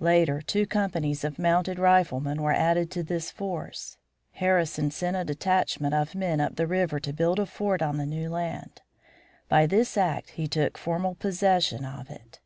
Later two companies of mounted riflemen were added to this force. Harrison sent a detachment of men up the river to build a fort on the new land. By this act he took formal possession of it.